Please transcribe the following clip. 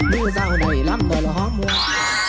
มีเยาะไหลล้มเปล่าฮอมมว่า